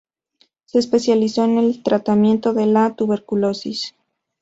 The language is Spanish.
Se especializó en el tratamiento de la tuberculosis.